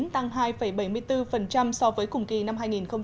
tăng hai bảy mươi bốn so với cùng kỳ năm hai nghìn một mươi chín